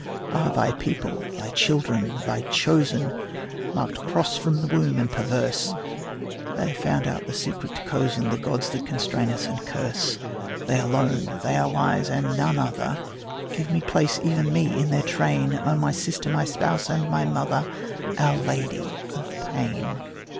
Ah thy people, thy children, thy chosen, Marked cross from the womb and perverse! They have found out the secret to cozen The gods that constrain us and curse; They alone, they are wise, and none other; Give me place, even me, in their train, O my sister, my spouse, and my mother, Our Lady of Pain.